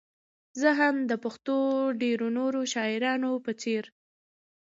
زه هم د پښتو ډېرو نورو شاعرانو په څېر.